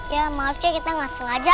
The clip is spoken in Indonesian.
ya maaf ya kita gak sengaja